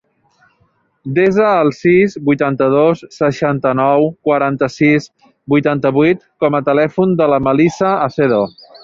Desa el sis, vuitanta-dos, seixanta-nou, quaranta-sis, vuitanta-vuit com a telèfon de la Melissa Acedo.